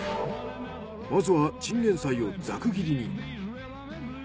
まずはチンゲンサイをざく切りに。